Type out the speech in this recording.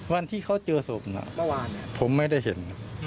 วันที่เขาเจอศพน่ะผมไม่ได้เห็น